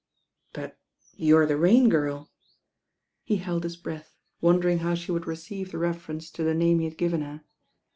"But you're the Rain Girl." He held his breath, wondering how she would receive the reference to the name he had ^ven her.